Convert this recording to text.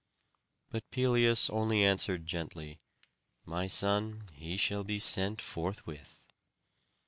But Pelias only answered gently, "My son, he shall be sent forthwith."